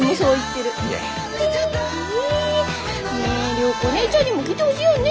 涼子お姉ちゃんにも来てほしいよね？